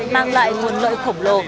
mang lại nguồn lợi khổng lồ